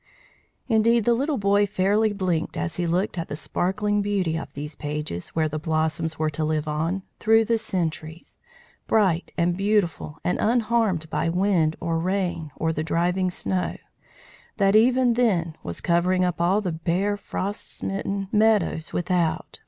Indeed the little boy fairly blinked as he looked at the sparkling beauty of those pages where the blossoms were to live on, through the centuries, bright and beautiful and unharmed by wind or rain or the driving snow, that even then was covering up all the bare frost smitten meadows without.